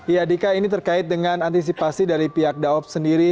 ya dika ini terkait dengan antisipasi dari pihak daob sendiri